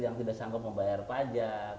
yang tidak sanggup membayar pajak